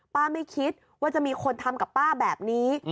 ไม่คิดว่าจะมีคนทำกับป้าแบบนี้